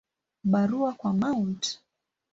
Barua kwa Mt.